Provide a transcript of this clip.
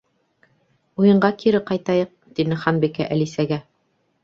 —Уйынға кире ҡайтайыҡ, —тине Ханбикә Әлисәгә.